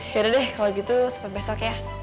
yaudah deh kalo gitu sempet besok ya